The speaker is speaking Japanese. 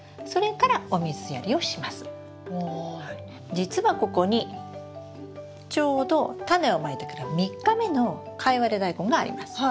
実はここにちょうどタネをまいてから３日目のカイワレダイコンがあります。